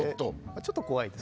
ちょっと怖いです。